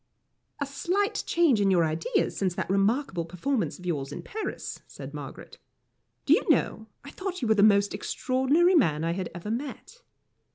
"A slight change in your ideas since that remarkable performance of yours in Paris," said Margaret. "Do you know, I thought you were the most extraordinary man I had ever met."